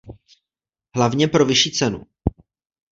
Hlavně pro vyšší cenu.